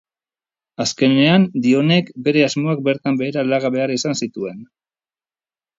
Azkenean, Dionek bere asmoak bertan behera laga behar izan zituen.